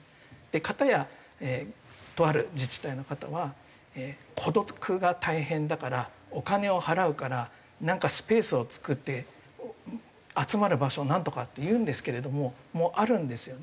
片やとある自治体の方は孤独が大変だからお金を払うからなんかスペースを作って集まる場所をなんとかって言うんですけれどももうあるんですよね。